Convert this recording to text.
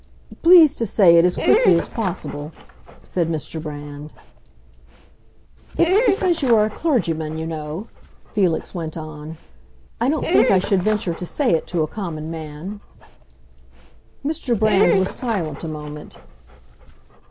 "Please to say it as quickly as possible," said Mr. Brand. "It's because you are a clergyman, you know," Felix went on. "I don't think I should venture to say it to a common man." Mr. Brand was silent a moment.